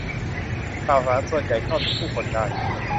ข่าวสารส่วนใหญ่เข้าถึงผู้คนได้